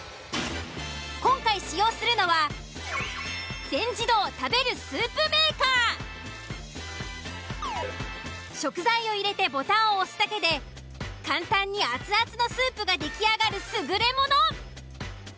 今回使用するのは食材を入れてボタンを押すだけで簡単に熱々のスープが出来上がる優れもの。